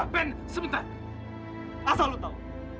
ben sebentar asal lu tahu